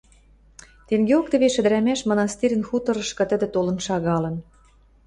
Тенгеок тӹвеш ӹдӹрӓмӓш мынастирӹн хуторышкы тӹдӹ толын шагалын.